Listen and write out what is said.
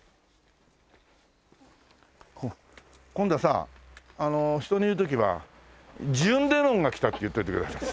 今度はさ人に言う時はジュン・レノンが来たって言っておいてください。